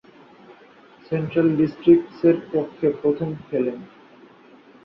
Central ডিস্ট্রিক্টসের পক্ষে প্রথম খেলেন।